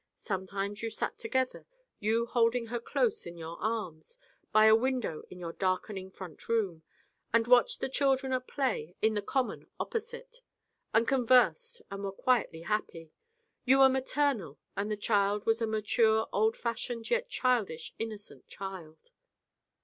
Sometimes you sat together you holding her close in your arms by a window in your darkening front room, and watched the children at play in the common opposite, and conversed and were quietly happy. You were maternal and the child was a mature old fashioned yet childish innocent child.